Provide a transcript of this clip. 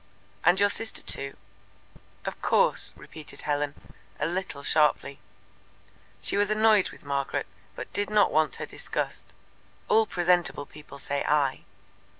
"And your sister too?" "Of course," repeated Helen, a little sharply. She was annoyed with Margaret, but did not want her discussed. "All presentable people say 'I.'"